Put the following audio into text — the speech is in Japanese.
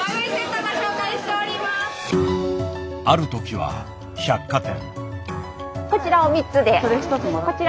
あるときは百貨店。